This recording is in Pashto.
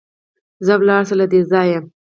ځه ولاړ شه له دې ځايه!